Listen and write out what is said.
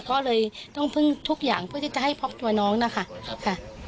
ก็เลยต้องพึ่งทุกอย่างเพื่อที่จะให้พล็อกตัวน้องนะคะค่ะ